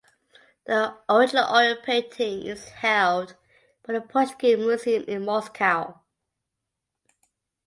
The original oil painting is held by the Pushkin Museum in Moscow.